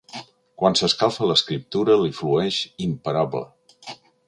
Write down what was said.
Quan s'escalfa l'escriptura li flueix imparable.